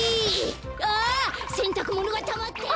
あせんたくものがたまってる！